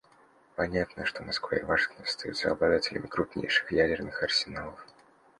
Понятно, что Москва и Вашингтон остаются обладателями крупнейших ядерных арсеналов.